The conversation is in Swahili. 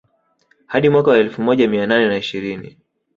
Hadi mwaka wa elfu moja mia nane na ishirini